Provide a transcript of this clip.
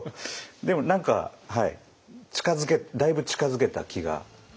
でも何かだいぶ近づけた気がしましたね。